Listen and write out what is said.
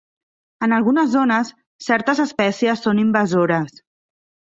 En algunes zones, certes espècies són invasores.